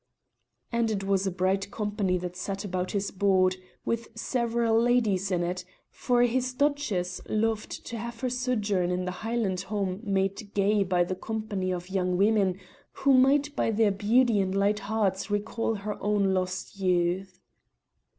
And it was a bright company that sat about his board, with several ladies in it, for his duchess loved to have her sojourn in her Highland home made gay by the company of young women who might by their beauty and light hearts recall her own lost youth.